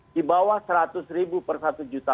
di bawah seratus ribu per satu juta